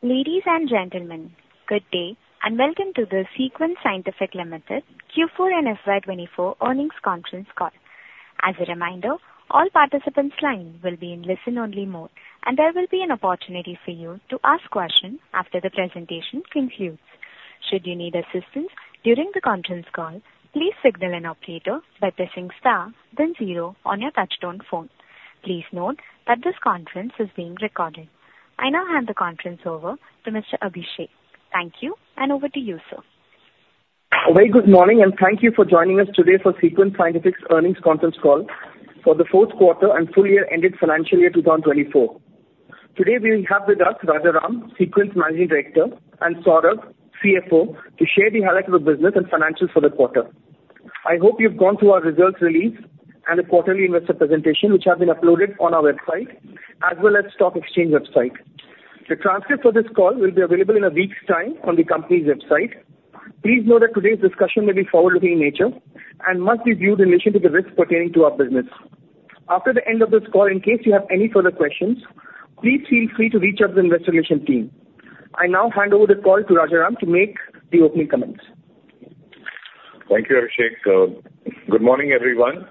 Ladies and gentlemen, good day, and welcome to the Viyash Scientific Limited Q4 and FY 2024 Earnings Conference Call. As a reminder, all participants' lines will be in listen-only mode, and there will be an opportunity for you to ask questions after the presentation concludes. Should you need assistance during the conference call, please signal an operator by pressing star then zero on your touchtone phone. Please note that this conference is being recorded. I now hand the conference over to Mr. Abhishek. Thank you, and over to you, Sir. Very good morning. Thank you for joining us today for Viyash Scientific's earnings conference call for the fourth quarter and full year ended financial year 2024. Today we have with us Rajaram, Viyash Scientific's managing director, and Saurav, CFO, to share the highlights of the business and financials for the quarter. I hope you've gone through our results release and the quarterly investor presentation, which have been uploaded on our website, as well as stock exchange website. The transcript for this call will be available in a week's time on the company's website. Please note that today's discussion may be forward-looking in nature and must be viewed in relation to the risks pertaining to our business. After the end of this call, in case you have any further questions, please feel free to reach out to the investor relation team. I now hand over the call to Rajaram to make the opening comments. Thank you, Abhishek. Good morning, everyone.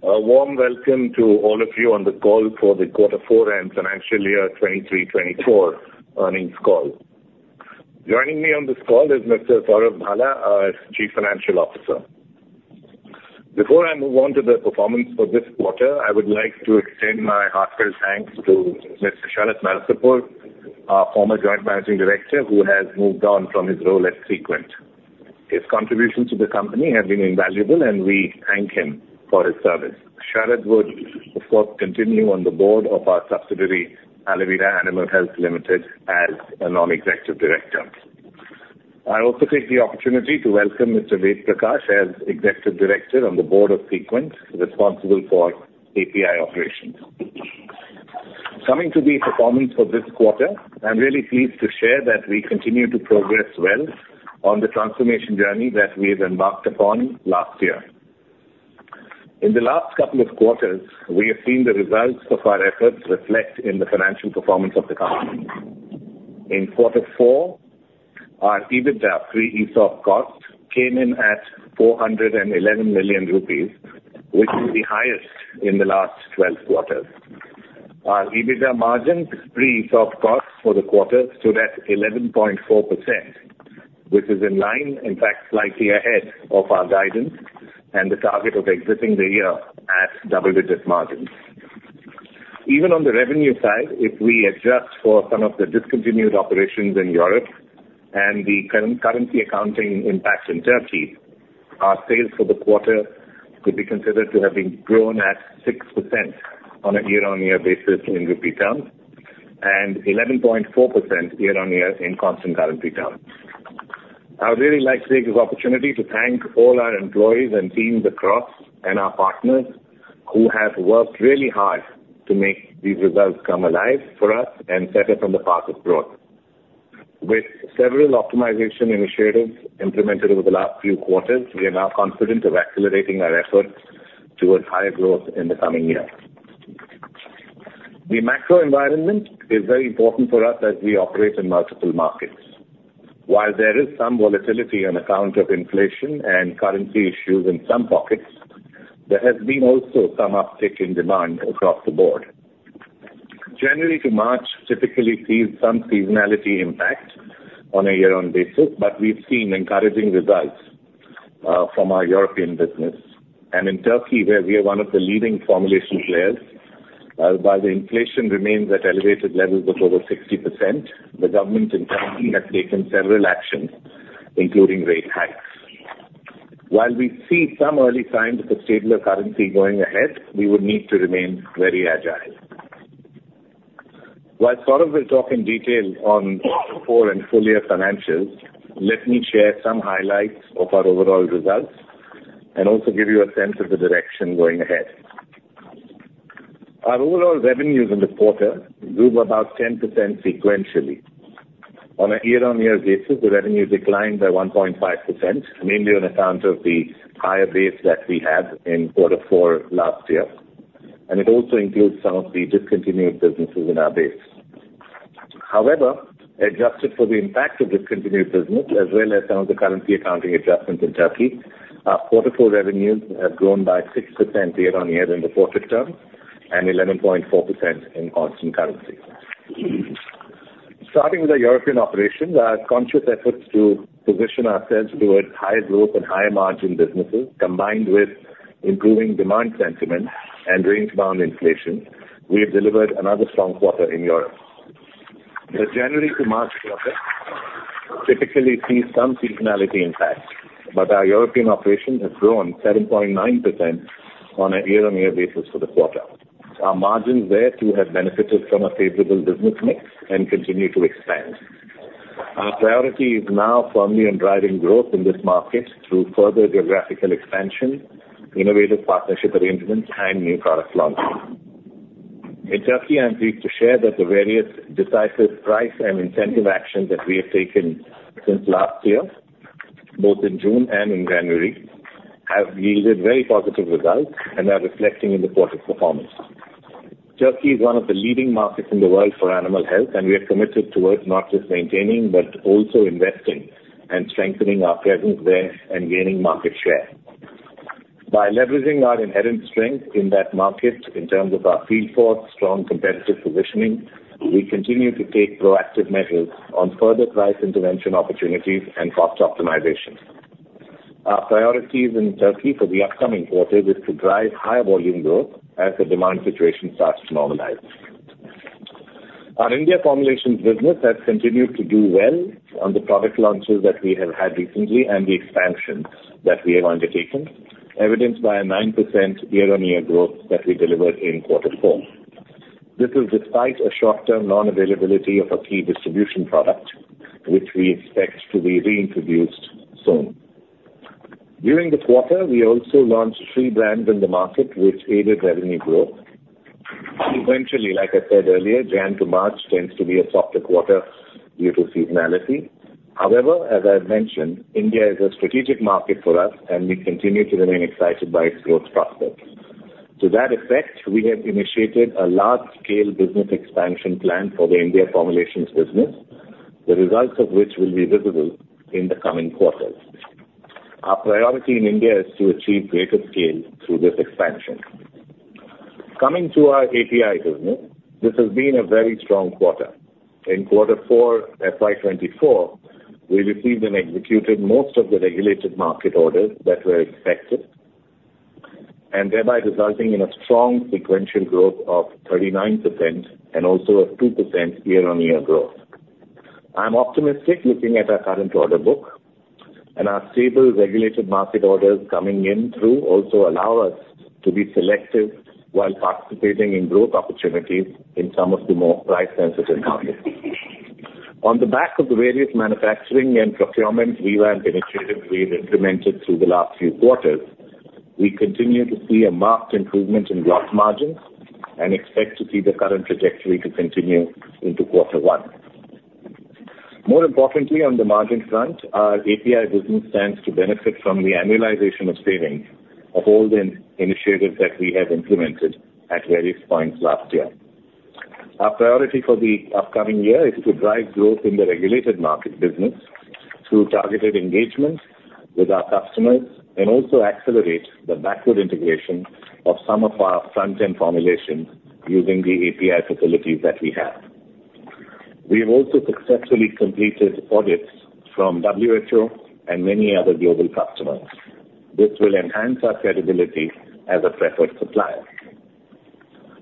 A warm welcome to all of you on the call for the quarter four and financial year 2023/2024 earnings call. Joining me on this call is Mr. Saurav Bhala, our Chief Financial Officer. Before I move on to the performance for this quarter, I would like to extend my heartfelt thanks to Mr. Sharat Narasapur, our former Joint Managing Director who has moved on from his role at Sequent. His contributions to the company have been invaluable, and we thank him for his service. Sharat would, of course, continue on the board of our subsidiary, Alivira Animal Health Limited, as a non-executive director. I also take the opportunity to welcome Mr. Ved Prakash as Executive Director on the board of Sequent, responsible for API operations. Coming to the performance for this quarter, I am really pleased to share that we continue to progress well on the transformation journey that we've embarked upon last year. In the last couple of quarters, we have seen the results of our efforts reflect in the financial performance of the company. In quarter four, our EBITDA pre ESOP costs came in at 411 million rupees, which is the highest in the last 12 quarters. Our EBITDA margin pre ESOP costs for the quarter stood at 11.4%, which is in line, in fact, slightly ahead of our guidance and the target of exiting the year at double-digit margins. Even on the revenue side, if we adjust for some of the discontinued operations in Europe and the currency accounting impact in Turkey, our sales for the quarter could be considered to have been grown at 6% on a year-on-year basis in INR terms, and 11.4% year-on-year in constant currency terms. I would really like to take this opportunity to thank all our employees and teams across and our partners who have worked really hard to make these results come alive for us and set us on the path of growth. With several optimization initiatives implemented over the last few quarters, we are now confident of accelerating our efforts towards higher growth in the coming year. The macro environment is very important for us as we operate in multiple markets. While there is some volatility on account of inflation and currency issues in some pockets, there has been also some uptick in demand across the board. January to March typically sees some seasonality impact on a year-on-year basis. We've seen encouraging results from our European business. In Turkey, where we are one of the leading formulation players, while the inflation remains at elevated levels of over 60%, the government in Turkey has taken several actions, including rate hikes. While we see some early signs of a stabler currency going ahead, we would need to remain very agile. While Saurav will talk in detail on quarter four and full-year financials, let me share some highlights of our overall results and also give you a sense of the direction going ahead. Our overall revenues in the quarter grew about 10% sequentially. On a year-on-year basis, the revenue declined by 1.5%, mainly on account of the higher base that we had in Q4 last year, it also includes some of the discontinued businesses in our base. However, adjusted for the impact of discontinued business as well as some of the currency accounting adjustments in Turkey, our Q4 revenues have grown by 6% year-on-year in the fourth term and 11.4% in constant currency. Starting with our European operations, our conscious efforts to position ourselves towards higher growth and higher margin businesses, combined with improving demand sentiment and range-bound inflation, we have delivered another strong quarter in Europe. The January to March quarter typically sees some seasonality impact, our European operations have grown 7.9% on a year-on-year basis for the quarter. Our margins there, too, have benefited from a favorable business mix and continue to expand. Our priority is now firmly on driving growth in this market through further geographical expansion, innovative partnership arrangements, and new product launches. In Turkey, I'm pleased to share that the various decisive price and incentive actions that we have taken since last year both in June and in January, have yielded very positive results and are reflecting in the quarter performance. Turkey is one of the leading markets in the world for animal health, and we are committed towards not just maintaining, but also investing and strengthening our presence there and gaining market share. By leveraging our inherent strength in that market in terms of our field force, strong competitive positioning, we continue to take proactive measures on further price intervention opportunities and cost optimization. Our priorities in Turkey for the upcoming quarters is to drive higher volume growth as the demand situation starts to normalize. Our India formulations business has continued to do well on the product launches that we have had recently and the expansions that we have undertaken, evidenced by a 9% year-on-year growth that we delivered in quarter four. This is despite a short-term non-availability of a key distribution product, which we expect to be reintroduced soon. During this quarter, we also launched three brands in the market, which aided revenue growth. Sequentially, like I said earlier, Jan to March tends to be a softer quarter due to seasonality. However, as I've mentioned, India is a strategic market for us, and we continue to remain excited by its growth prospects. To that effect, we have initiated a large-scale business expansion plan for the India formulations business, the results of which will be visible in the coming quarters. Our priority in India is to achieve greater scale through this expansion. Coming to our API business, this has been a very strong quarter. In quarter four FY 2024, we received and executed most of the regulated market orders that were expected, and thereby resulting in a strong sequential growth of 39% and also a 2% year-on-year growth. I'm optimistic looking at our current order book, and our stable regulated market orders coming in through also allow us to be selective while participating in growth opportunities in some of the more price-sensitive markets. On the back of the various manufacturing and procurement revamp initiatives we've implemented through the last few quarters, we continue to see a marked improvement in gross margins and expect to see the current trajectory to continue into quarter one. More importantly, on the margin front, our API business stands to benefit from the annualization of savings of all the initiatives that we have implemented at various points last year. Our priority for the upcoming year is to drive growth in the regulated market business through targeted engagements with our customers and also accelerate the backward integration of some of our front-end formulations using the API facilities that we have. We have also successfully completed audits from WHO and many other global customers. This will enhance our credibility as a preferred supplier.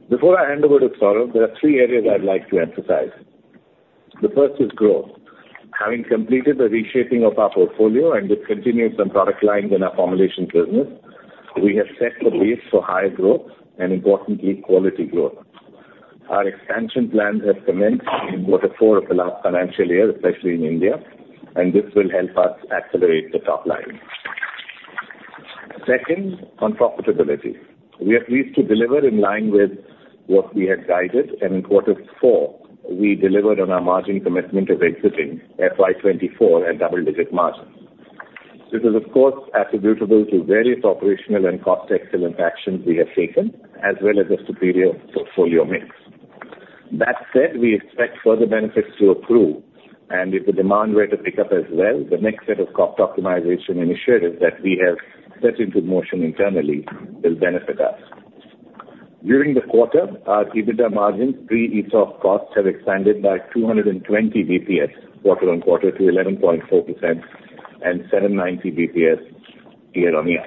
Before I hand over to Saurav, there are three areas I'd like to emphasize. The first is growth. Having completed the reshaping of our portfolio and discontinued some product lines in our formulations business, we have set the base for higher growth and, importantly, quality growth. Our expansion plans have commenced in quarter four of the last financial year, especially in India, and this will help us accelerate the top line. Second, on profitability. We are pleased to deliver in line with what we had guided, and in quarter four, we delivered on our margin commitment of exiting FY 2024 at double-digit margins. This is of course attributable to various operational and cost-excellent actions we have taken, as well as a superior portfolio mix. That said, we expect further benefits to accrue, and if the demand were to pick up as well, the next set of cost optimization initiatives that we have set into motion internally will benefit us. During the quarter, our EBITDA margin pre-ESOP costs have expanded by 220 basis points quarter-on-quarter to 11.4% and 790 basis points year-on-year.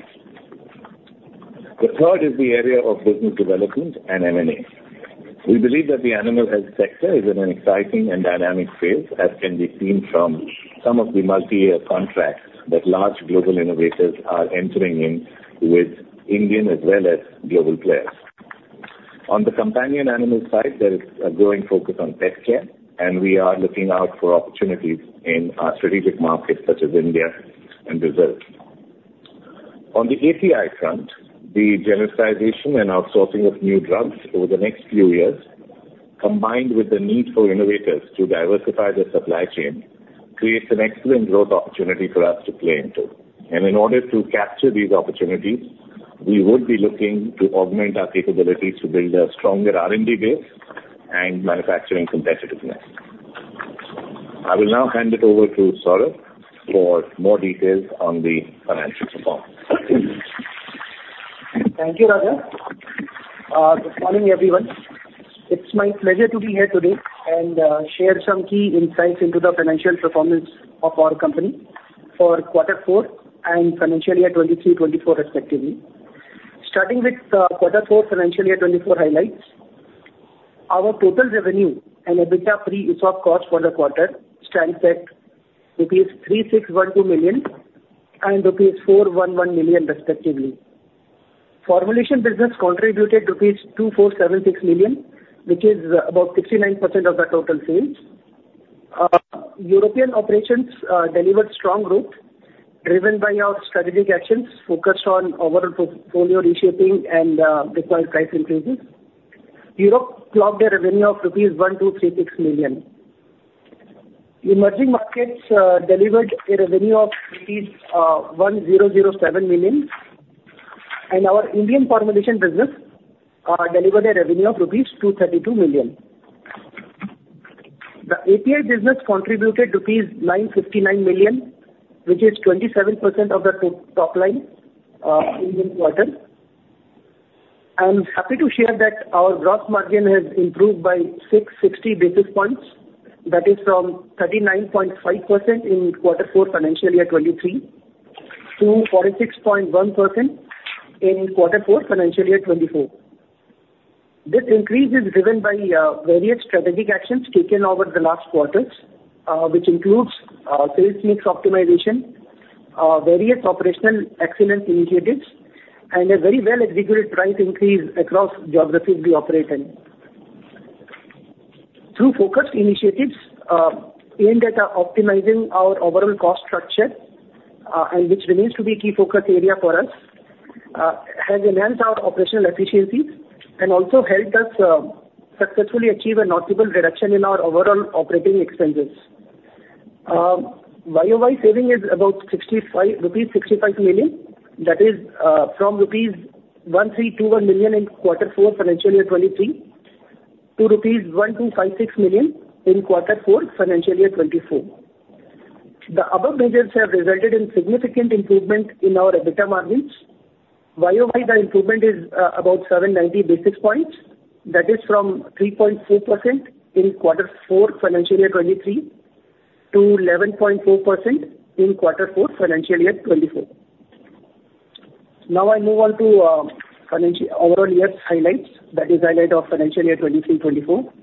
The third is the area of business development and M&A. We believe that the animal health sector is in an exciting and dynamic phase, as can be seen from some of the multi-year contracts that large global innovators are entering in with Indian as well as global players. On the companion animal side, there is a growing focus on pet care, and we are looking out for opportunities in our strategic markets such as India and Brazil. On the API front, the genericization and outsourcing of new drugs over the next few years, combined with the need for innovators to diversify their supply chain, creates an excellent growth opportunity for us to play into. In order to capture these opportunities, we would be looking to augment our capabilities to build a stronger R&D base and manufacturing competitiveness. I will now hand it over to Saurav for more details on the financial performance. Thank you. Thank you, Raja. Good morning, everyone. It's my pleasure to be here today and share some key insights into the financial performance of our company for quarter four and FY 2023, 2024, respectively. Starting with quarter four FY 2024 highlights. Our total revenue and EBITDA pre-ESOP cost for the quarter stands at rupees 361.2 million and rupees 411 million respectively. Formulation business contributed rupees 2,476 million, which is about 69% of the total sales. European operations delivered strong growth driven by our strategic actions focused on overall portfolio reshaping and required price increases. Europe clocked a revenue of rupees 1,236 million. Emerging markets delivered a revenue of rupees 1,007 million, and our Indian formulation business delivered a revenue of rupees 232 million. The API business contributed rupees 959 million, which is 27% of the top line in this quarter. I'm happy to share that our gross margin has improved by 660 basis points. That is from 39.5% in quarter four, FY 2023, to 46.1% in quarter four, FY 2024. This increase is driven by various strategic actions taken over the last quarters, which includes sales mix optimization, various operational excellence initiatives, and a very well-executed price increase across geographies we operate in. Through focused initiatives aimed at optimizing our overall cost structure, and which remains to be a key focus area for us, has enhanced our operational efficiencies and also helped us successfully achieve a notable reduction in our overall operating expenses. YOY saving is about 65 million rupees. That is from rupees 1,321 million in quarter four, FY 2023, to rupees 1,256 million in quarter four, FY 2024. The above measures have resulted in significant improvement in our EBITDA margins. YOY, the improvement is about 790 basis points. That is from 3.4% in quarter four, financial year 2023, to 11.4% in quarter four, financial year 2024. Now I move on to overall year's highlights. That is highlight of financial year 2023, 2024.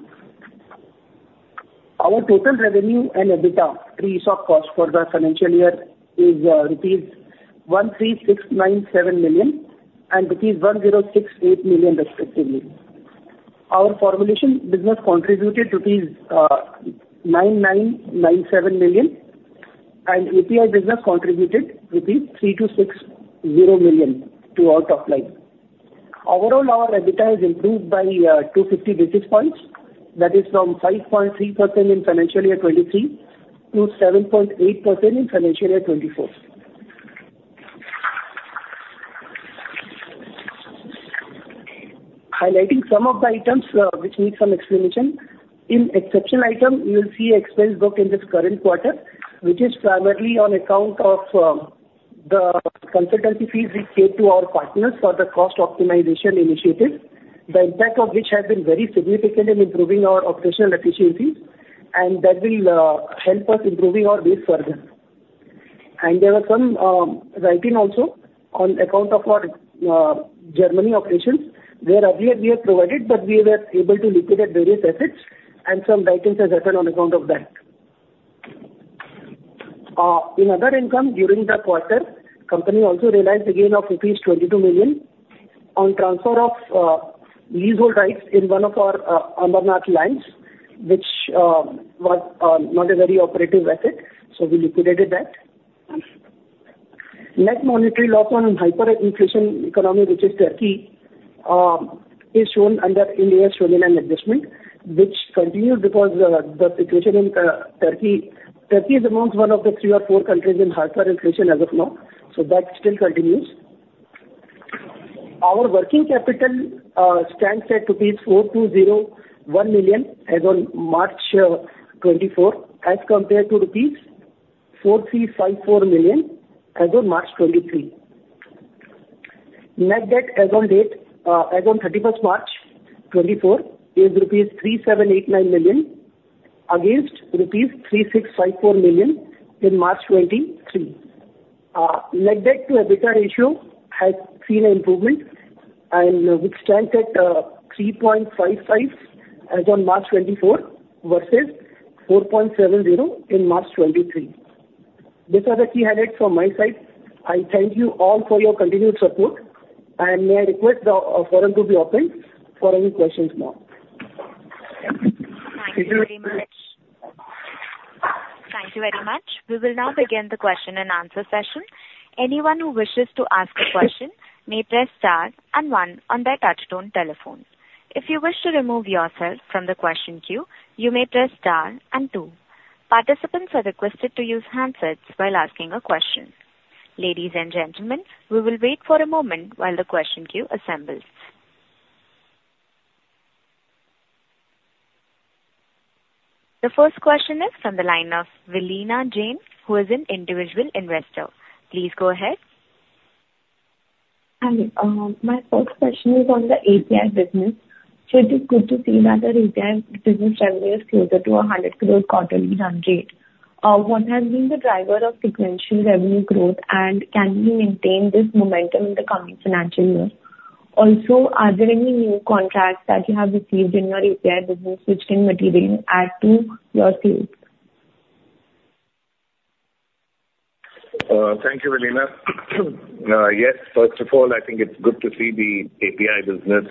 Our total revenue and EBITDA pre ESOP cost for the financial year is rupees 13,697 million and rupees 1,068 million respectively. Our formulation business contributed rupees 9,997 million, and API business contributed rupees 3,260 million to our top line. Overall, our EBITDA has improved by 250 basis points. That is from 5.3% in financial year 2023, to 7.8% in financial year 2024. Highlighting some of the items which need some explanation. In exceptional item, you will see expense booked in this current quarter, which is primarily on account of the consultancy fees we paid to our partners for the cost optimization initiatives. The impact of which has been very significant in improving our operational efficiencies, that will help us improving our base further. There were some writing also on account of our Germany operations, where earlier we had provided, but we were able to liquidate various assets, and some writings have happened on account of that. In other income during the quarter, company also realized a gain of rupees 22 million on transfer of leasehold rights in one of our Ambernath lands, which was not a very operative asset, so we liquidated that. Net monetary loss on hyperinflation economy, which is Turkey, is shown under in-year foreign exchange adjustment, which continued because the situation in Turkey. Turkey is amongst one of the three or four countries in hyperinflation as of now, so that still continues. Our working capital stands at rupees 4,201 million as on March 2024, as compared to rupees 4,354 million as on March 2023. Net debt as on March 31st, 2024, is rupees 3,789 million against rupees 3,654 million in March 2023. Net debt to EBITDA ratio has seen an improvement and which stands at 3.55 as on March 2024 versus 4.70 in March 2023. These are the key highlights from my side. I thank you all for your continued support, and may I request the forum to be open for any questions now. Thank you very much. Thank you very much. We will now begin the question and answer session. Anyone who wishes to ask a question may press star and one on their touchtone telephone. If you wish to remove yourself from the question queue, you may press star and two. Participants are requested to use handsets while asking a question. Ladies and gentlemen, we will wait for a moment while the question queue assembles. The first question is from the line of Valeena Jane, who is an Individual Investor. Please go ahead. Hi. My first question is on the API business. It is good to see that the API business revenue is closer to INR 100 crore quarterly run rate. What has been the driver of sequential revenue growth, and can we maintain this momentum in the coming financial year? Are there any new contracts that you have received in your API business which can materially add to your sales? Thank you, Valeena. Yes. First of all, I think it's good to see the API business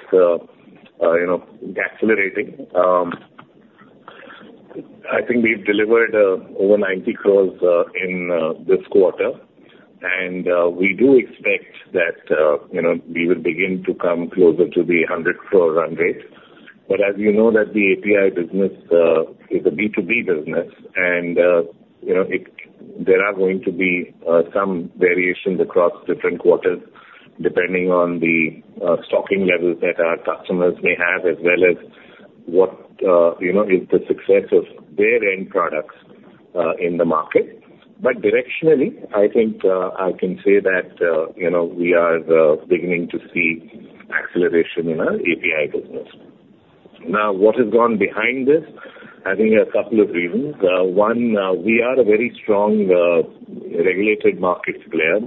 accelerating. I think we've delivered over 90 crores in this quarter. We do expect that we will begin to come closer to the 100 crore run rate. As you know that the API business is a B2B business and there are going to be some variations across different quarters, depending on the stocking levels that our customers may have, as well as what is the success of their end products in the market. Directionally, I think I can say that we are beginning to see acceleration in our API business. Now, what has gone behind this? I think a couple of reasons. One, we are a very strong regulated markets player.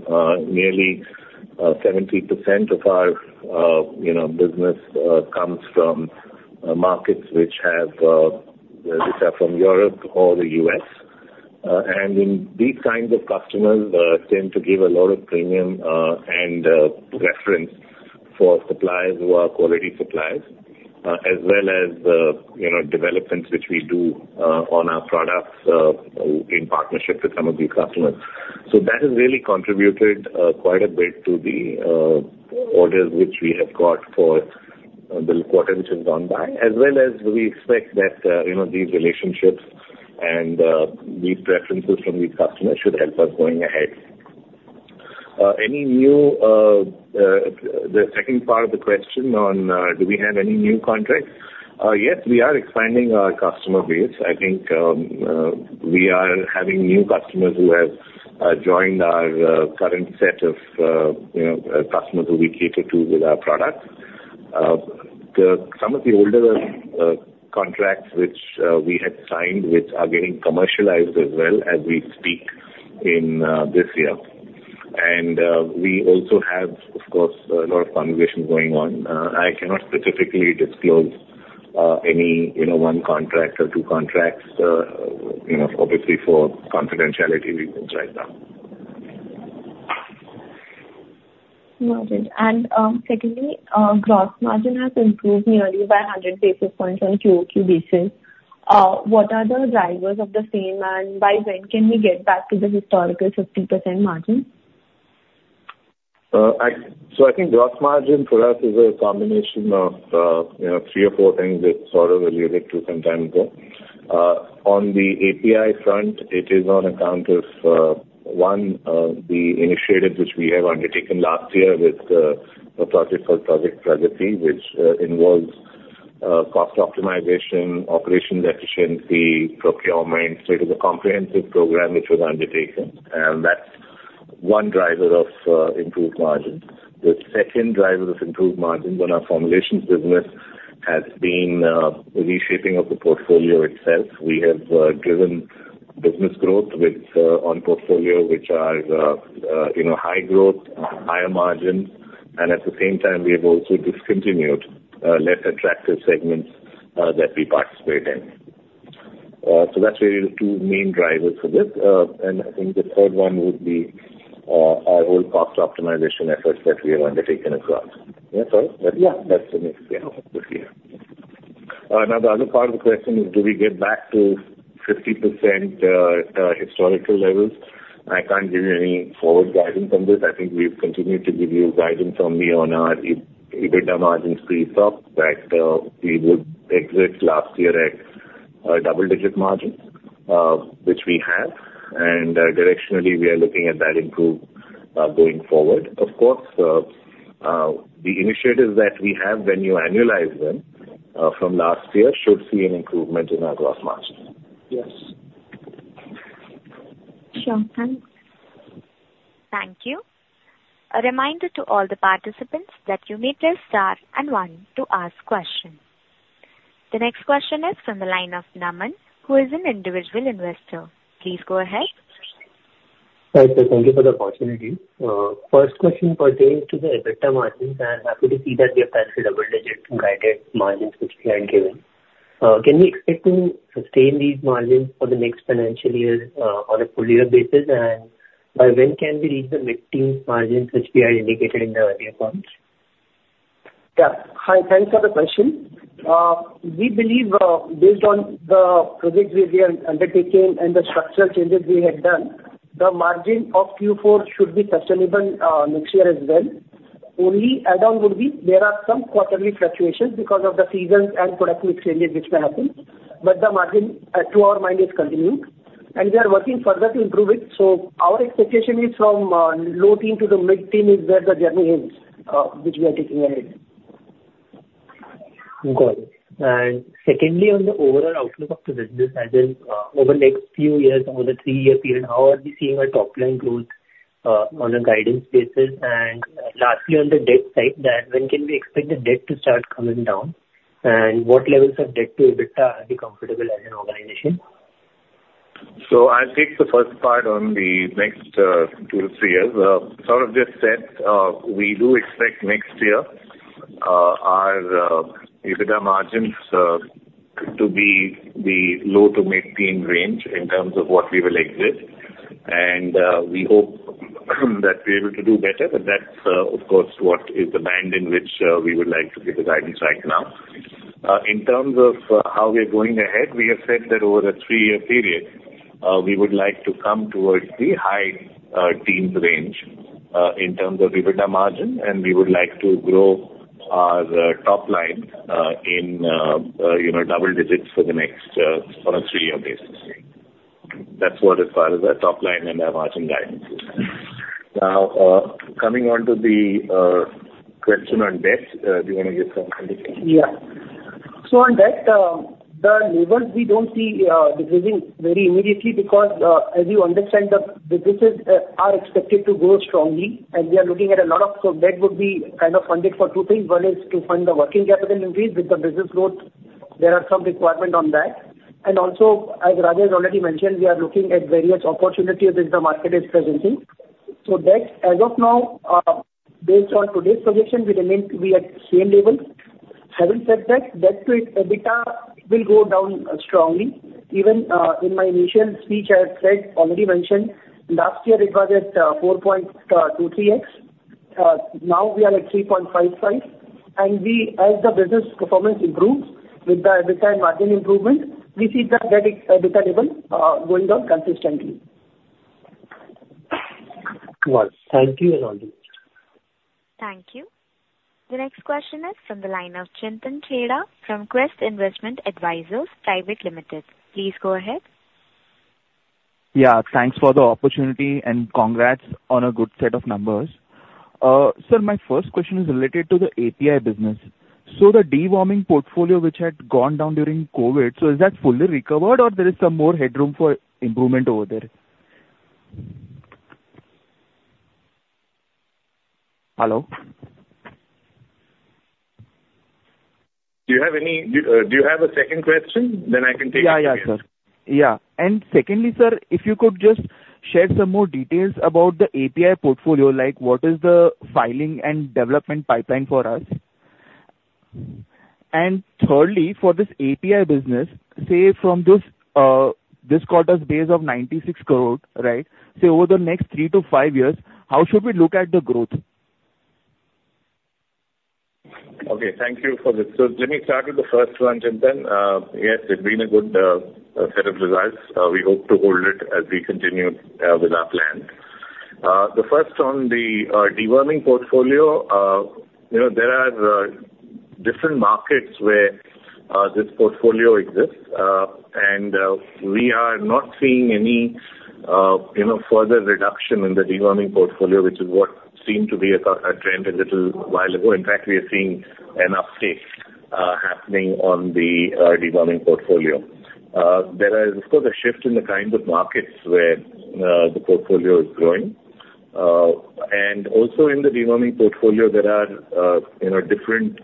Nearly 70% of our business comes from markets which are from Europe or the U.S. These kinds of customers tend to give a lot of premium and preference for suppliers who are quality suppliers, as well as developments which we do on our products in partnership with some of these customers. That has really contributed quite a bit to the orders which we have got for the quarter which has gone by, as well as we expect that these relationships and these preferences from these customers should help us going ahead. The second part of the question on do we have any new contracts? Yes, we are expanding our customer base. I think we are having new customers who have joined our current set of customers who we cater to with our products. Some of the older contracts which we had signed, which are getting commercialized as well as we speak in this year. We also have, of course, a lot of conversations going on. I cannot specifically disclose any one contract or two contracts, obviously for confidentiality reasons right now. Got it. Secondly, gross margin has improved nearly by 100 basis points on QOQ basis. What are the drivers of the same, and by when can we get back to the historical 50% margin? I think gross margin for us is a combination of three or four things which Saurav related to some time ago. On the API front, it is on account of one, the initiatives which we have undertaken last year with a project called Project Pragati, which involves cost optimization, operational efficiency, procurement. It is a comprehensive program which was undertaken, and that's one driver of improved margins. The second driver of improved margins on our formulations business has been reshaping of the portfolio itself. We have driven business growth on portfolio, which are high growth, higher margins, and at the same time, we have also discontinued less attractive segments that we participate in. That's really the two main drivers for this. I think the third one would be our whole cost optimization efforts that we have undertaken as well. Yeah, Saurav? Yeah. That's the main thing this year. Now, the other part of the question is do we get back to 50% historical levels? I can't give you any forward guidance on this. I think we've continued to give you guidance only on our EBITDA margins pre-ESOP, that we would exit last year at double-digit margins, which we have. Directionally, we are looking at that improve going forward. Of course, the initiatives that we have, when you annualize them from last year, should see an improvement in our gross margin. Yes. Sure. Thanks. Thank you. A reminder to all the participants that you may press star and one to ask questions. The next question is from the line of Naman, who is an Individual Investor. Please go ahead. Hi, Sir, thank you for the opportunity. First question pertains to the EBITDA margins. I am happy to see that we have back to double-digit guided margins which we had given. Can we expect to sustain these margins for the next financial year on a full year basis? By when can we reach the mid-10 margins which we had indicated in the earlier calls? Yeah. Hi. Thanks for the question. We believe based on the projects which we are undertaking and the structural changes we had done, the margin of Q4 should be sustainable next year as well. Only add-on would be there are some quarterly fluctuations because of the seasons and product mix changes which may happen. The margin to our mind is continuing, and we are working further to improve it. Our expectation is from low teen to the mid-10 is where the journey is, which we are taking ahead. Got it. Secondly, on the overall outlook of the business as in over the next few years, over the three-year period, how are we seeing our top line growth on a guidance basis? Lastly, on the debt side, when can we expect the debt to start coming down? What levels of debt to EBITDA are we comfortable as an organization? I'll take the first part on the next two to three years. Saurav just said, we do expect next year our EBITDA margins to be the low to mid-10 range in terms of what we will exit. We hope that we're able to do better, but that's, of course, what is the band in which we would like to give the guidance right now. In terms of how we are going ahead, we have said that over the three-year period, we would like to come towards the high 10s range in terms of EBITDA margin, and we would like to grow our top line in double digits on a three-year basis. That's what, as far as our top line and our margin guidance is. Coming on to the question on debt. Do you want to give some indication? Yeah. On debt, the levels we don't see decreasing very immediately because as you understand, the businesses are expected to grow strongly and we are looking at. Debt would be kind of funded for two things. One is to fund the working capital increase with the business growth. There are some requirement on that. As Raj has already mentioned, we are looking at various opportunities which the market is presenting. Debt, as of now, based on today's position, we remain to be at same level. Having said that, debt to EBITDA will go down strongly. Even in my initial speech, I have already mentioned, last year it was at 4.23x. Now we are at 3.55. As the business performance improves with the EBITDA margin improvement, we see the debt:EBITDA level going down consistently. Well, thank you, [Anandi]. Thank you. The next question is from the line of Chintan Chheda from Quest Investment Advisors Private Limited. Please go ahead. Yeah. Thanks for the opportunity, and congrats on a good set of numbers. Sir, my first question is related to the API business. The deworming portfolio, which had gone down during COVID, so is that fully recovered or there is some more headroom for improvement over there? Hello? Do you have a second question? I can take it together. Yeah. Secondly, Sir, if you could just share some more details about the API portfolio, like what is the filing and development pipeline for us? Thirdly, for this API business, say, from this quarter's base of 96 crore, right, say over the next three to five years, how should we look at the growth? Okay. Thank you for this. Let me start with the first one, Chintan. Yes, it's been a good set of results. We hope to hold it as we continue with our plans. The first on the deworming portfolio. There are different markets where this portfolio exists, and we are not seeing any further reduction in the deworming portfolio, which is what seemed to be a trend a little while ago. In fact, we are seeing an uptick happening on the deworming portfolio. There is, of course, a shift in the kinds of markets where the portfolio is growing. Also in the deworming portfolio, there are different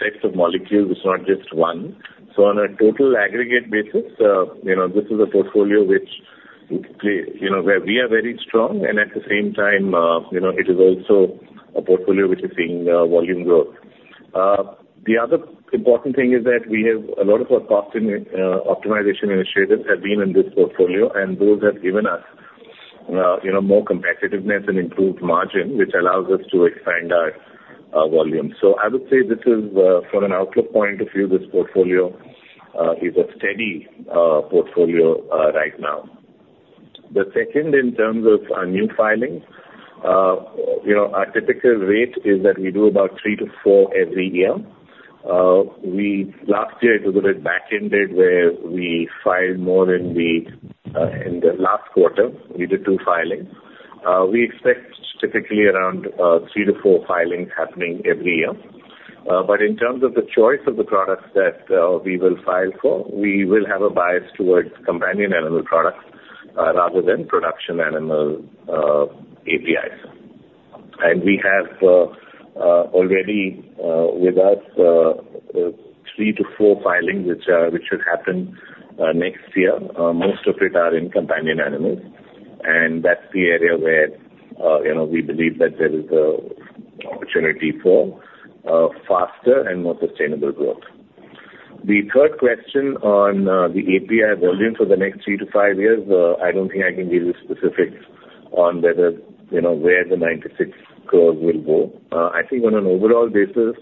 sets of molecules. It's not just one. On a total aggregate basis, this is a portfolio where we are very strong and at the same time, it is also a portfolio which is seeing volume growth. The other important thing is that we have a lot of our cost optimization initiatives have been in this portfolio, and those have given us more competitiveness and improved margin, which allows us to expand our volume. I would say this is, from an outlook point of view, this portfolio is a steady portfolio right now. The second in terms of our new filings. Our typical rate is that we do about three to four every year. Last year, it was a bit back ended where we filed more in the last quarter. We did two filings. We expect typically around three to four filings happening every year. In terms of the choice of the products that we will file for, we will have a bias towards companion animal products rather than production animal APIs. We have already with us three to four filings which should happen next year. Most of it are in companion animals, and that's the area where we believe that there is opportunity for faster and more sustainable growth. The third question on the API volume for the next three to five years, I don't think I can give you specifics on where the 96 crore will go. I think on an overall basis,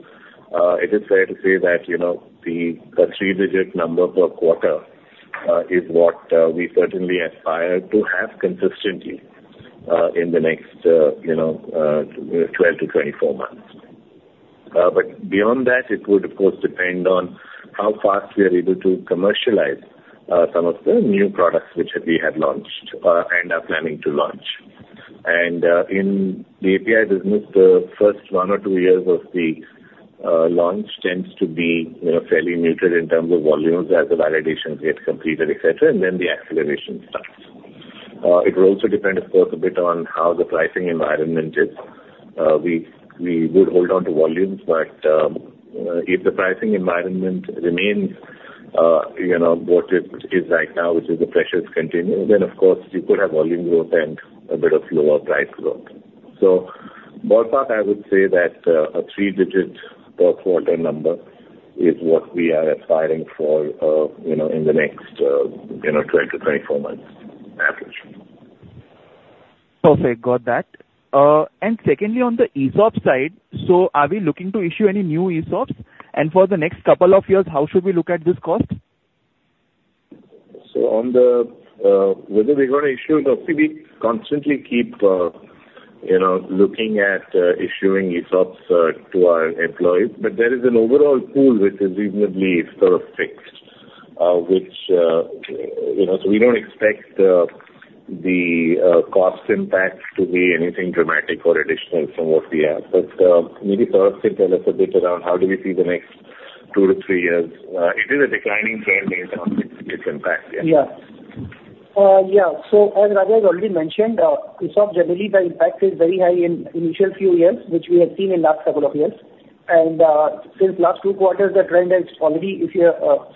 it is fair to say that the three-digit number per quarter is what we certainly aspire to have consistently in the next 12-24 months. Beyond that, it would, of course, depend on how fast we are able to commercialize some of the new products which we have launched and are planning to launch. In the API business, the first one or two years of the launch tends to be fairly neutral in terms of volumes as the validations get completed, et cetera, and then the acceleration starts. It will also depend, of course, a bit on how the pricing environment is. We would hold on to volumes, but if the pricing environment remains what it is right now, which is the pressures continue, then of course we could have volume growth and a bit of lower price growth. Ballpark, I would say that a three-digit per quarter number is what we are aspiring for in the next 20-24 months average. Perfect. Got that. Secondly, on the ESOP side, are we looking to issue any new ESOPs? For the next couple of years, how should we look at this cost? On whether we're going to issue, obviously we constantly keep looking at issuing ESOPs to our employees. There is an overall pool which is reasonably sort of fixed. We don't expect the cost impact to be anything dramatic or additional from what we have. Maybe Saurav can tell us a bit around how do we see the next two to three years. It is a declining trend based on its impact, yes. Yeah. As Rajaram has already mentioned, ESOP generally, the impact is very high in initial few years, which we have seen in last couple of years. Since last two quarters, the trend has already, if you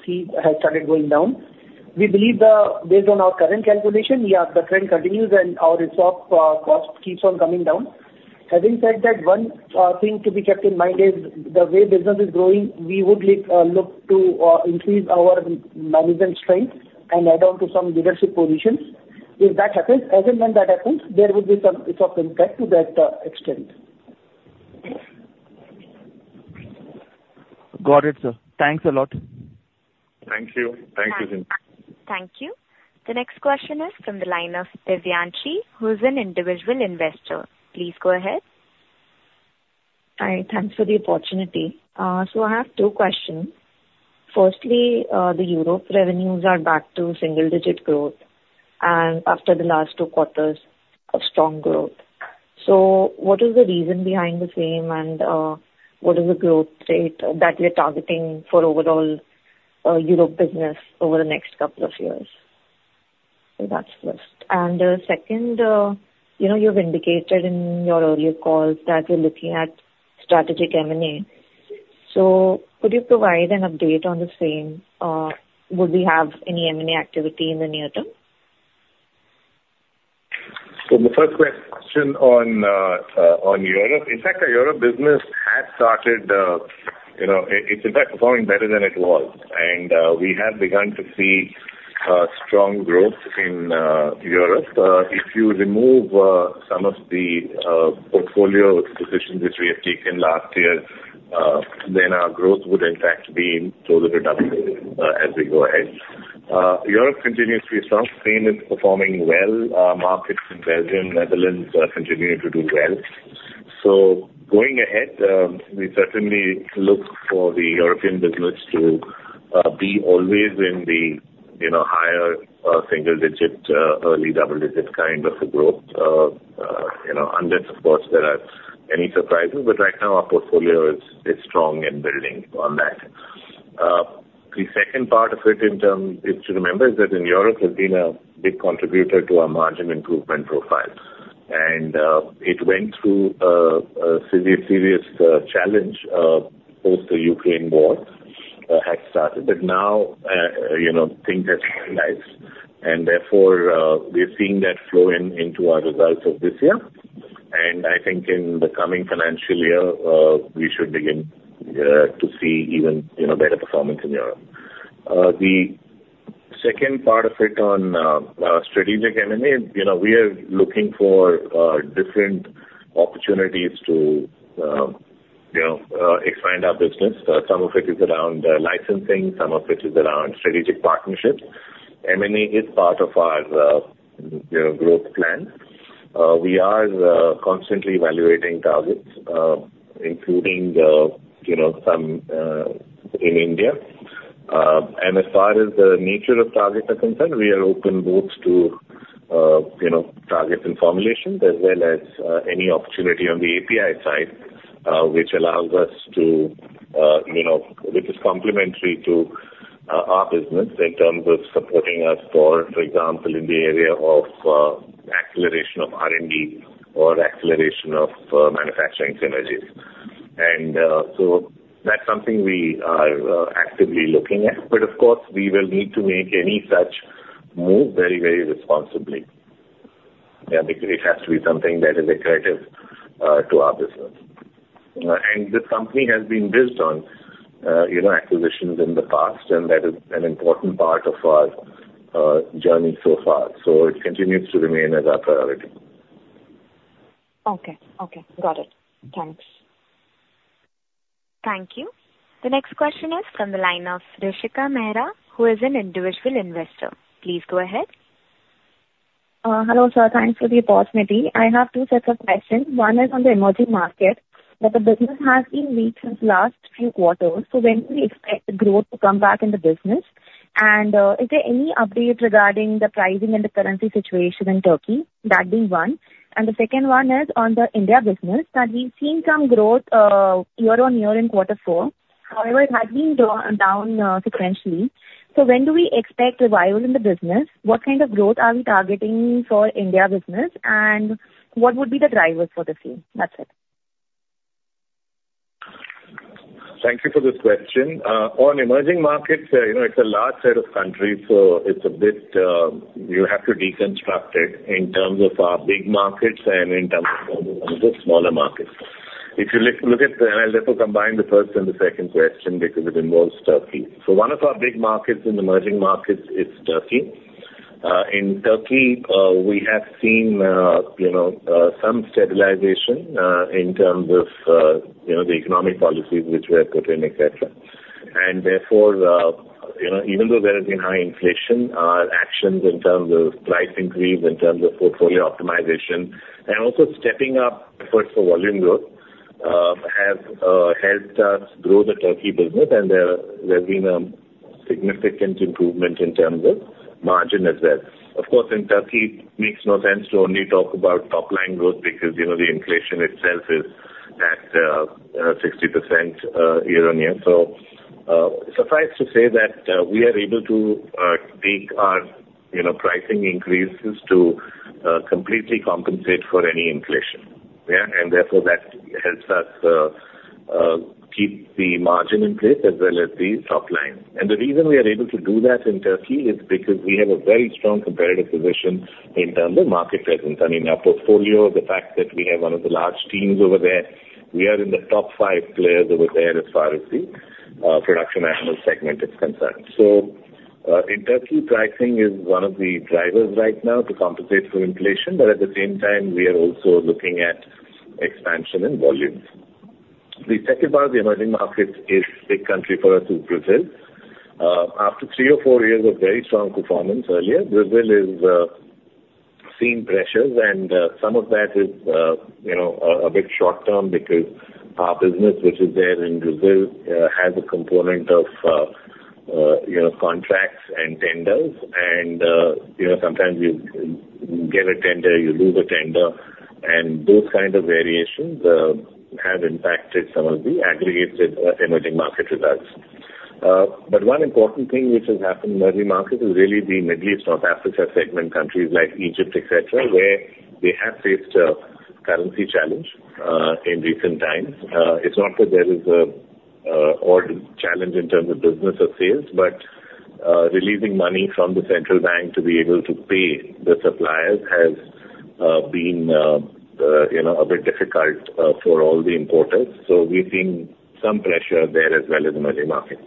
see, has started going down. We believe that based on our current calculation, yeah, the trend continues, and our ESOP cost keeps on coming down. Having said that, one thing to be kept in mind is the way business is growing, we would look to increase our management strength and add on to some leadership positions. If that happens, as and when that happens, there will be some ESOP impact to that extent. Got it, Sir. Thanks a lot. Thank you. Thank you. Thank you. The next question is from the line of Divyanshi, who is an Individual Investor. Please go ahead. Hi, thanks for the opportunity. I have two questions. Firstly, the Europe revenues are back to single digit growth and after the last two quarters of strong growth. What is the reason behind the same, and what is the growth rate that we are targeting for overall Europe business over the next couple of years? That's first. The second, you've indicated in your earlier calls that you're looking at strategic M&A. Could you provide an update on the same? Would we have any M&A activity in the near term? The first question on Europe. In fact, our Europe business, it's in fact performing better than it was. We have begun to see strong growth in Europe. If you remove some of the portfolio positions which we have taken last year, then our growth would in fact be further accelerated as we go ahead. Europe continues to be strong. Spain is performing well. Our markets in Belgium, Netherlands continue to do well. Going ahead, we certainly look for the European business to be always in the higher single-digit, early double-digit kind of a growth, unless of course there are any surprises. Right now our portfolio is strong and building on that. The second part of it in term is to remember is that in Europe has been a big contributor to our margin improvement profile. It went through a serious challenge post the Ukraine War had started. Now, things have stabilized and therefore we are seeing that flow in into our results of this year. I think in the coming financial year, we should begin to see even better performance in Europe. The second part of it on strategic M&A, we are looking for different opportunities to expand our business. Some of it is around licensing, some of it is around strategic partnerships. M&A is part of our growth plan. We are constantly evaluating targets, including some in India. As far as the nature of targets are concerned, we are open both to target in formulations as well as any opportunity on the API side which is complementary to our business in terms of supporting us for example, in the area of acceleration of R&D or acceleration of manufacturing synergies. That's something we are actively looking at. Of course, we will need to make any such move very responsibly. Because it has to be something that is accretive to our business. The company has been built on acquisitions in the past, and that is an important part of our journey so far. It continues to remain as our priority. Okay. Got it. Thanks. Thank you. The next question is from the line of Rishika Mehra, who is an individual investor. Please go ahead. Hello, Sir. Thanks for the opportunity. I have two sets of questions. One is on the emerging market, that the business has been weak since last few quarters, so when do we expect the growth to come back in the business? Is there any update regarding the pricing and the currency situation in Turkey? That being one. The second one is on the India business, that we've seen some growth year-on-year in quarter four, however it has been down sequentially. When do we expect revival in the business? What kind of growth are we targeting for India business, and what would be the drivers for the same? That's it. Thank you for this question. On emerging markets, it's a large set of countries, you have to deconstruct it in terms of our big markets and in terms of the smaller markets. I'll therefore combine the first and the second question because it involves Turkey. One of our big markets in emerging markets is Turkey. In Turkey, we have seen some stabilization in terms of the economic policies which were put in, et cetera. Therefore, even though there has been high inflation, our actions in terms of price increase, in terms of portfolio optimization, and also stepping up efforts for volume growth, have helped us grow the Turkey business, and there has been a significant improvement in terms of margin as well. Of course, in Turkey, it makes no sense to only talk about top-line growth because the inflation itself is at 60% year-on-year. Suffice to say that we are able to take our pricing increases to completely compensate for any inflation. Yeah. Therefore, that helps us keep the margin in place as well as the top line. The reason we are able to do that in Turkey is because we have a very strong competitive position in terms of market presence. I mean, our portfolio, the fact that we have one of the large teams over there, we are in the top five players over there as far as the production animal segment is concerned. In Turkey, pricing is one of the drivers right now to compensate for inflation. At the same time, we are also looking at expansion in volumes. The second part of the emerging markets is a big country for us is Brazil. After three or four years of very strong performance earlier, Brazil is seeing pressures and some of that is a bit short-term because our business which is there in Brazil has a component of contracts and tenders. Sometimes you get a tender, you lose a tender, and those kinds of variations have impacted some of the aggregated emerging market results. One important thing which has happened in emerging markets is really the Middle East, North Africa segment, countries like Egypt, et cetera, where they have faced a currency challenge in recent times. It's not that there is an odd challenge in terms of business or sales, but releasing money from the central bank to be able to pay the suppliers has been a bit difficult for all the importers. We're seeing some pressure there as well in emerging markets.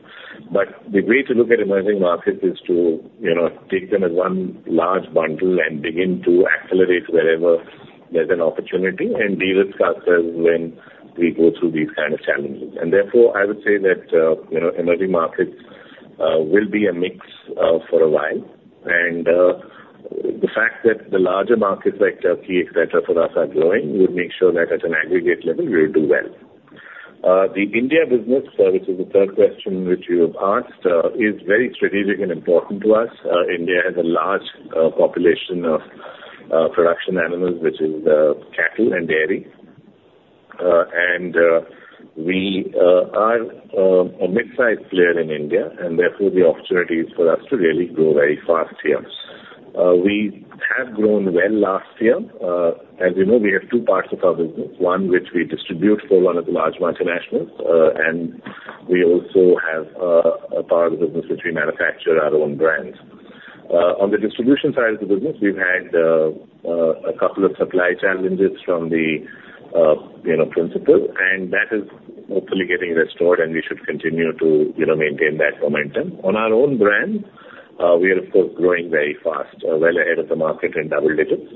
The way to look at emerging markets is to take them as one large bundle and begin to accelerate wherever there's an opportunity and de-risk ourselves when we go through these kinds of challenges. Therefore, I would say that emerging markets will be a mix for a while. The fact that the larger markets like Turkey, et cetera, for us are growing would make sure that at an aggregate level we will do well. The India business, which is the third question which you have asked, is very strategic and important to us. India has a large population of production animals which is cattle and dairy. We are a mid-size player in India, and therefore the opportunity is for us to really grow very fast here. We have grown well last year. As you know, we have two parts of our business, one which we distribute for one of the large multinationals, and we also have a part of the business which we manufacture our own brands. On the distribution side of the business, we've had a couple of supply challenges from the principal and that is hopefully getting restored and we should continue to maintain that momentum. On our own brand, we are of course growing very fast, well ahead of the market in double digits.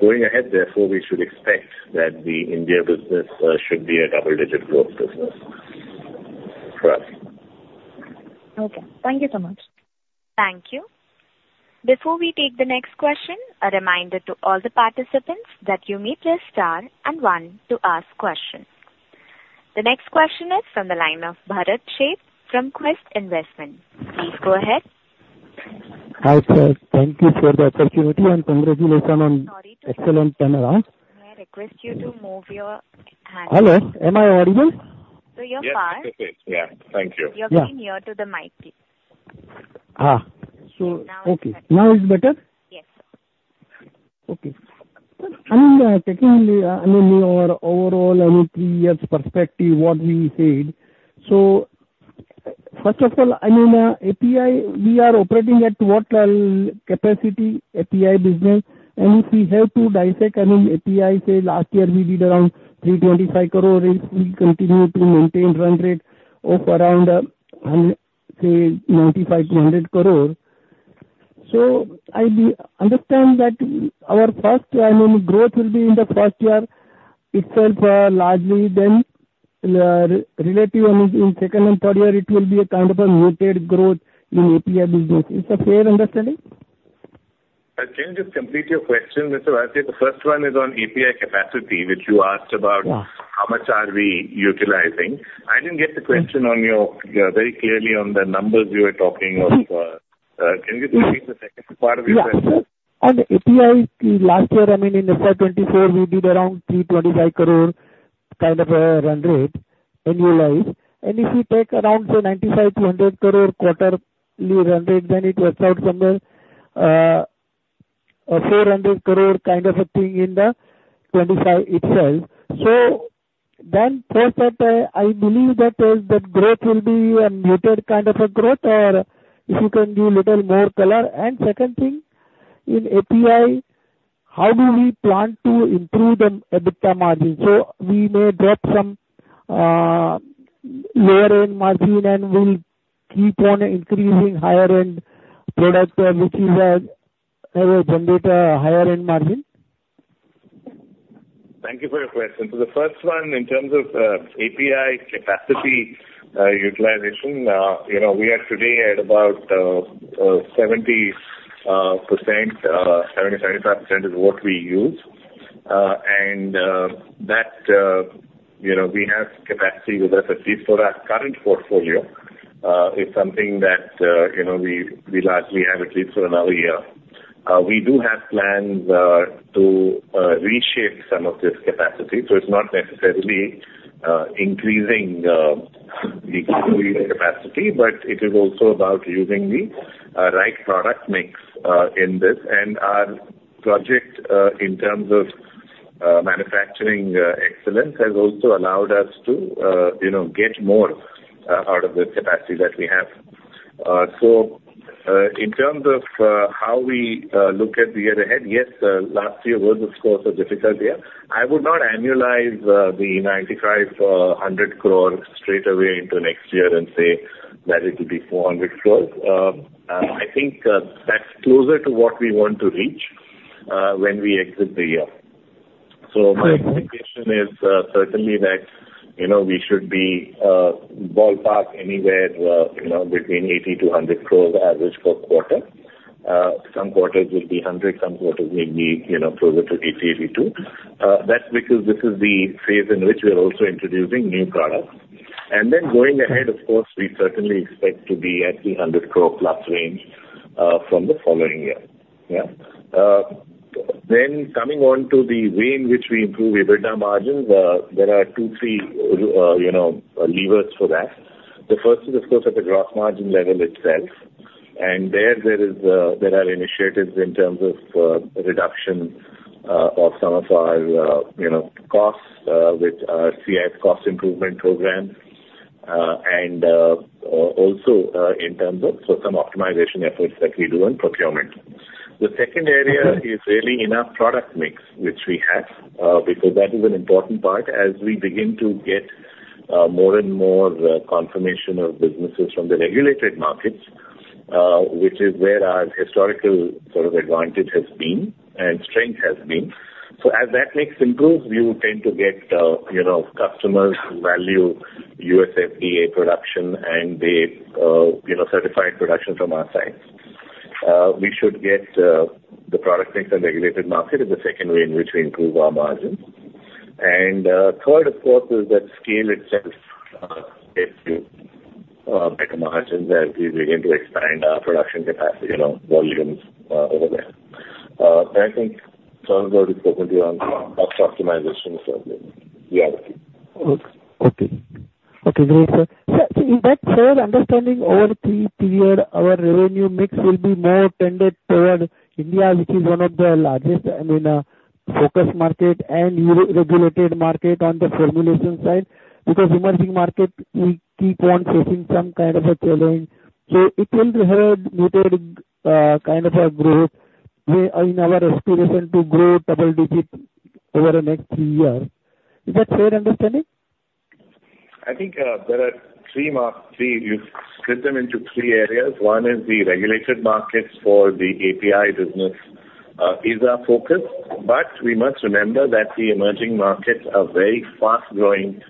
Going ahead therefore we should expect that the India business should be a double-digit growth business for us. Okay. Thank you so much. Thank you. Before we take the next question, a reminder to all the participants that you may press star and one to ask questions. The next question is from the line of Bharat Sheth from Quest Investment. Please go ahead. Hi, Sir. Thank you for the opportunity and congratulations. Sorry to interrupt. Excellent turnaround. May I request you to move your hand? Hello, am I audible? You're far. Yes. Okay. Yeah. Thank you. Yeah. You're very near to the mic. Now it's better. Okay. Now it's better? Yes. Okay. I mean, technically, I mean your overall three years perspective, what we said. First of all, I mean, API, we are operating at what capacity, API business? If we have to dissect, I mean, API, say last year we did around 325 crores. We'll continue to maintain run rate of around, say, 95- 100 crores. I understand that our first, I mean, growth will be in the first year itself largely then relative, I mean, in second and third year it will be a kind of a muted growth in API business. Is that fair understanding? Can you just complete your question, Mr. Sheth? The first one is on API capacity, which you asked about. Yeah. How much are we utilizing. I didn't get the question very clearly on the numbers you were talking of. Yeah. Can you just repeat the second part of your question? Yeah. On API last year, I mean, in the year 2024 we did around 325 crore kind of a run rate annualized. If you take around say 95 crore-100 crore quarterly run rate, then it works out somewhere a 400 crore kind of a thing in the FY 2025 itself. First, I believe that the growth will be a muted kind of a growth, or if you can give a little more color. Second thing, in API, how do we plan to improve the EBITDA margin? We may drop some lower end margin, and we'll keep on increasing higher end product, which will generate a higher end margin. Thank you for your question. The first one, in terms of API capacity utilization, we are today at about 70%-77.5% is what we use. We have capacity with us, at least for our current portfolio. It's something that we largely have at least for another year. We do have plans to reshape some of this capacity. It's not necessarily increasing the capacity, but it is also about using the right product mix in this. Our project, in terms of manufacturing excellence, has also allowed us to get more out of the capacity that we have. In terms of how we look at the year ahead, yes, last year was, of course, a difficult year. I would not annualize the 95, 100 crore straightaway into next year and say that it will be 400 crore. I think that's closer to what we want to reach when we exit the year. My expectation is certainly that we should be ballpark anywhere between 80 crore to 100 crore average per quarter. Some quarters will be 100, some quarters may be closer to 80, 82. That's because this is the phase in which we are also introducing new products. Going ahead, of course, we certainly expect to be at the 100+ crore range from the following year. Yeah. Coming on to the way in which we improve EBITDA margins, there are two, three levers for that. The first is, of course, at the gross margin level itself. There, there are initiatives in terms of reduction of some of our costs with our CI cost improvement programs. Also, in terms of some optimization efforts that we do on procurement. The second area is really in our product mix, which we have, because that is an important part as we begin to get more and more confirmation of businesses from the regulated markets, which is where our historical sort of advantage has been and strength has been. As that mix improves, we would tend to get customers who value U.S. FDA production and the certified production from our side. We should get the product mix and regulated market is the second way in which we improve our margins. Third, of course, is that scale itself gives you better margins as we begin to expand our production capacity volumes over there. I think Saurav will speak with you on cost optimization as well. Yeah. Okay. Great, Sir. Sir, in that fair understanding, over three period, our revenue mix will be more tended toward India, which is one of the largest focused market and regulated market on the formulation side, because emerging market, we keep on facing some kind of a challenge. It will have muted kind of a growth in our aspiration to grow double digit over the next three years. Is that fair understanding? I think there are three markets. You've split them into three areas. One is the regulated markets for the API business is our focus. We must remember that the emerging markets are very fast-growing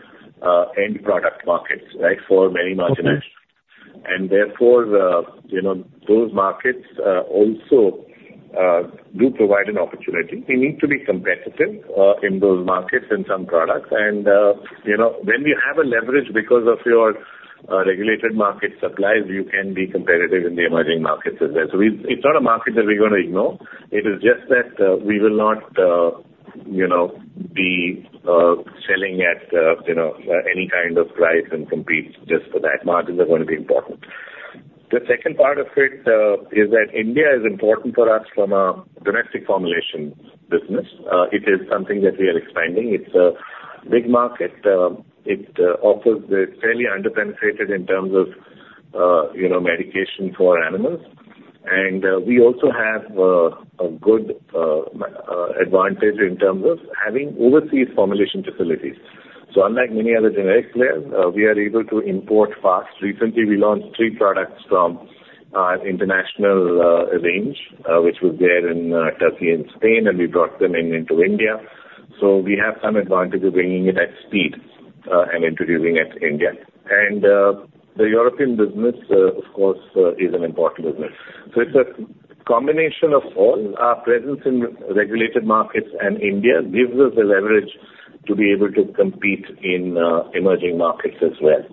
end product markets for many multinationals. Therefore, those markets also do provide an opportunity. We need to be competitive in those markets in some products. When we have a leverage because of your regulated market supplies, you can be competitive in the emerging markets as well. It's not a market that we're going to ignore. It is just that we will not be selling at any kind of price and compete just for that. Margins are going to be important. The second part of it is that India is important for us from a domestic formulation business. It is something that we are expanding. It's a big market. It offers the fairly underpenetrated in terms of medication for animals. We also have a good advantage in terms of having overseas formulation facilities. Unlike many other generic players, we are able to import fast. Recently, we launched three products from an international range, which was there in Turkey and Spain, and we brought them in into India. We have some advantage of bringing it at speed and introducing at India. The European business, of course, is an important business. It's a combination of all our presence in regulated markets and India gives us a leverage to be able to compete in emerging markets as well.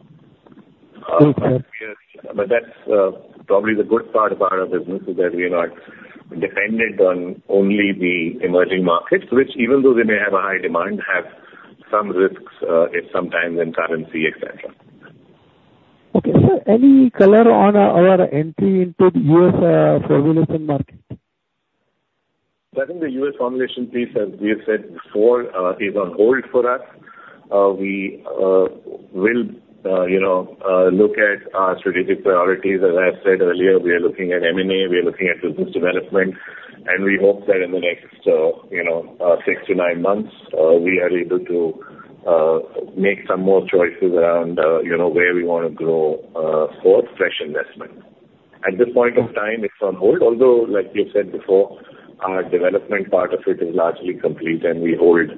That's probably the good part about our business is that we are not dependent on only the emerging markets, which even though they may have a high demand, have some risks, if sometimes in currency, et cetera. Okay. Sir, any color on our entry into the U.S. formulation market? I think the U.S. formulation piece, as we have said before, is on hold for us. We will look at our strategic priorities. As I said earlier, we are looking at M&A, we are looking at business development, and we hope that in the next six to nine months, we are able to make some more choices around where we want to grow for fresh investment. At this point of time, it's on hold. Although, like we said before, our development part of it is largely complete and we hold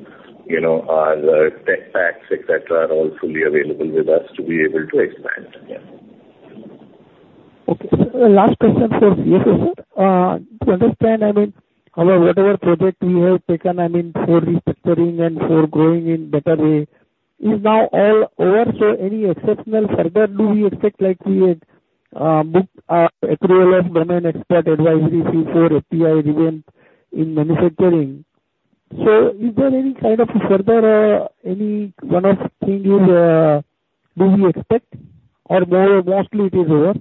our tech packs, et cetera, are all fully available with us to be able to expand. Yeah. Okay. Sir, last question, Sir. To understand, I mean, our whatever project we have taken, I mean, for restructuring and for growing in better way is now all over, any exceptional further do we expect, like we had booked our accrual of domain expert advisory for API revision in manufacturing. Is there any kind of further, any one-off thing do we expect or mostly it is over?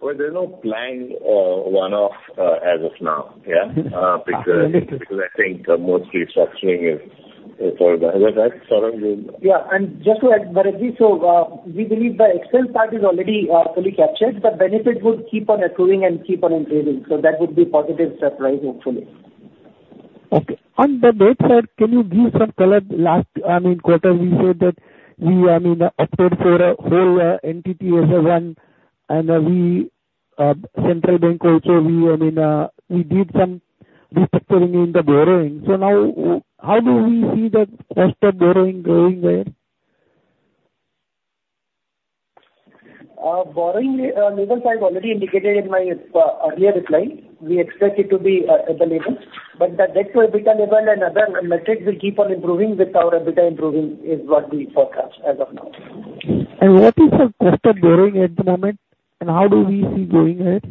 Well, there's no planned one-off as of now, yeah. I think mostly structuring is organized. Yeah, just to add, Bharat. We believe the [excel] part is already fully captured. The benefit would keep on accruing and keep on improving. That would be a positive surprise, hopefully. Okay. On the debt side, can you give some color? Last, I mean, quarter we said that we, I mean, opted for a whole entity as a one and we, central bank also, we did some restructuring in the borrowing. Now, how do we see that cost of borrowing going there? Our borrowing levels, I've already indicated in my earlier reply. We expect it to be at the level. The debt to EBITDA level and other metrics will keep on improving with our EBITDA improving, is what we forecast as of now. What is the cost of borrowing at the moment and how do we see going ahead?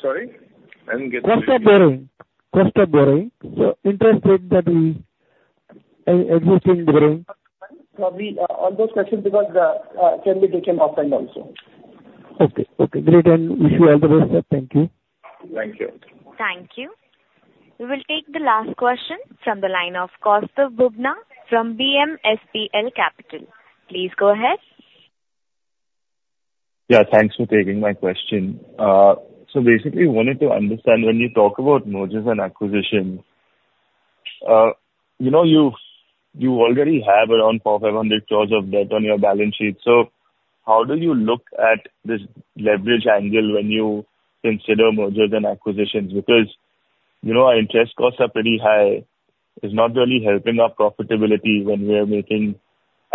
Sorry, I didn't get you. Cost of borrowing. Interest rate that we are using borrowing. Probably all those questions can be taken offline also. Okay. Great and wish you all the best, Sir. Thank you. Thank you. Thank you. We will take the last question from the line of Kaustav Bubna from BMSPL Capital. Please go ahead. Yeah, thanks for taking my question. Basically, wanted to understand when you talk about mergers and acquisitions. You already have around 400-500 crores of debt on your balance sheet. How do you look at this leverage angle when you consider mergers and acquisitions? Because our interest costs are pretty high. It's not really helping our profitability when we are making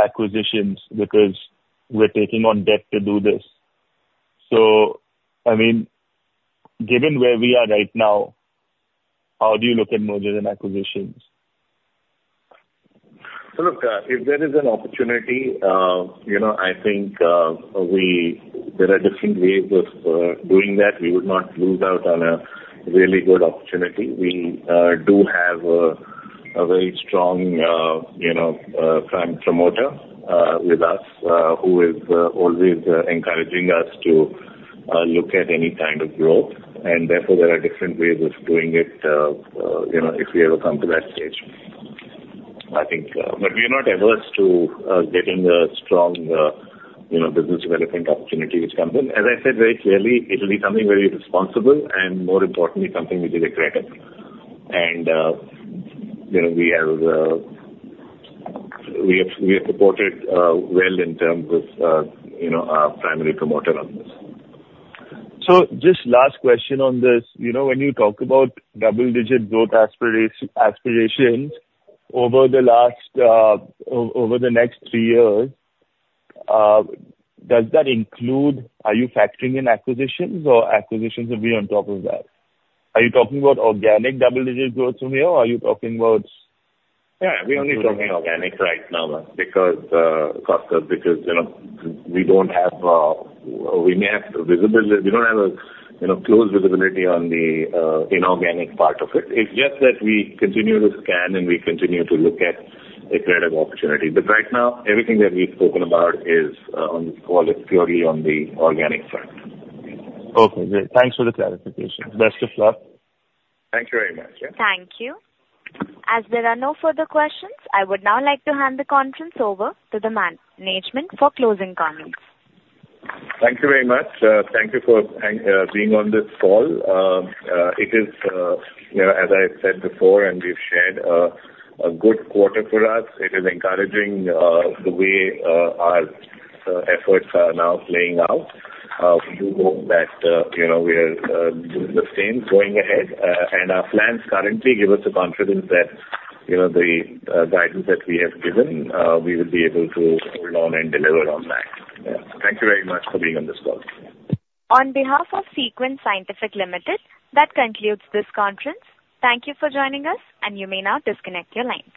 acquisitions because we're taking on debt to do this. I mean, given where we are right now, how do you look at mergers and acquisitions? Look, if there is an opportunity, I think there are different ways of doing that. We would not lose out on a really good opportunity. We do have a very strong prime promoter with us who is always encouraging us to look at any kind of growth, and therefore there are different ways of doing it if we ever come to that stage. We are not averse to getting a strong business development opportunity which comes in. As I said very clearly, it will be something very responsible and more importantly, something [we will regret it]. We have supported well in terms of our primary promoter on this. Just last question on this. When you talk about double-digit growth aspirations over the next three years, does that include, are you factoring in acquisitions or acquisitions will be on top of that? Are you talking about organic double-digit growth from here or are you talking about? Yeah, we're only talking organic right now because, Kaustav, we don't have close visibility on the inorganic part of it. It's just that we continue to scan and we continue to look at accretive opportunity. Right now, everything that we've spoken about is, call it purely on the organic front. Okay, great. Thanks for the clarification. Best of luck. Thank you very much. Yeah. Thank you. As there are no further questions, I would now like to hand the conference over to the management for closing comments. Thank you very much. Thank you for being on this call. It is, as I said before, and we've shared, a good quarter for us. It is encouraging the way our efforts are now playing out. We do hope that we are doing the same going ahead and our plans currently give us the confidence that the guidance that we have given, we will be able to hold on and deliver on that. Yeah. Thank you very much for being on this call. On behalf of Viyash Scientific Limited, that concludes this conference. Thank you for joining us and you may now disconnect your lines.